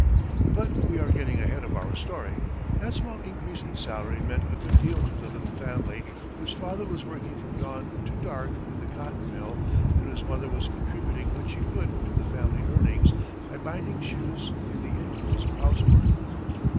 But we are getting ahead of our story. That small increase in salary meant a good deal to the little family, whose father was working from dawn to dark in the cotton mill, and whose mother was contributing what she could to the family earnings by binding shoes in the intervals of housework.